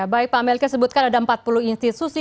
ya baik pak melke sebutkan ada empat puluh institusi